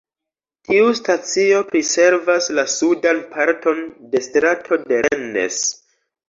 Tiu stacio priservas la sudan parton de Strato de Rennes.